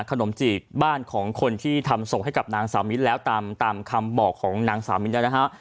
จีกบ้านของคนที่ทำส่งให้กับนางสาวมิ้นแล้วตามคำบอกของนางสาวมิ้นได้นะฮะ